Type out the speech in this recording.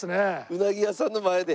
うなぎ屋さんの前で。